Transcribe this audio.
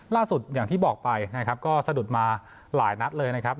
อย่างที่บอกไปนะครับก็สะดุดมาหลายนัดเลยนะครับ